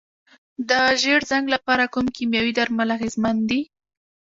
د ژیړ زنګ لپاره کوم کیمیاوي درمل اغیزمن دي؟